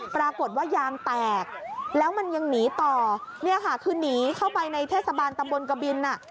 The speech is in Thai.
ปรากฏว่ายางแตกแล้วมันยังหนีต่อเนี่ยค่ะคือหนีเข้าไปในเทศบาลตำบลกบินอ่ะ